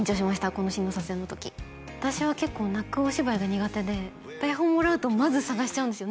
このシーンの撮影の時私は結構泣くお芝居が苦手で台本もらうとまず探しちゃうんですよ